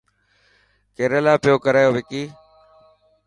ڪيريلا پيو ڪري وڪي.